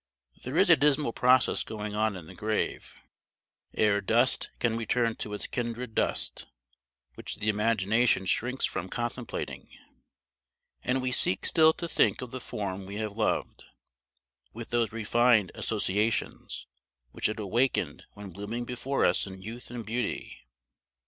There is a dismal process going on in the grave, ere dust can return to its kindred dust, which the imagination shrinks from contemplating; and we seek still to think of the form we have loved, with those refined associations which it awakened when blooming before us in youth and beauty.